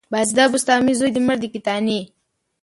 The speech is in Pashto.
بايزيده بسطامي، زوى دې مړ د کتاني